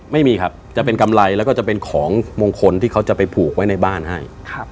ไม่มีครับจะเป็นกำไรแล้วก็จะเป็นของมงคลที่เขาจะไปผูกไว้ในบ้านให้